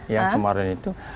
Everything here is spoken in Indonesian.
yang kemarin itu